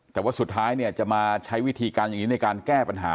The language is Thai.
แต่ว่าสุดท้ายเนี่ยจะมาใช้วิธีการอย่างนี้ในการแก้ปัญหา